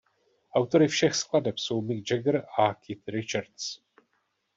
Autory všech skladeb jsou Mick Jagger a Keith Richards.